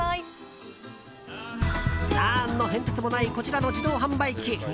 何の変哲もないこちらの自動販売機。